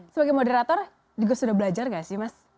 sebagai moderator juga sudah belajar gak sih mas